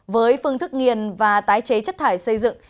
với phương thức nghiền và tái chế chất thải xây dựng